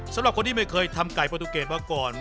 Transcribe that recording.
สำหรับคนที่ไม่เคยทำไก่ประตูเกรดมาก่อน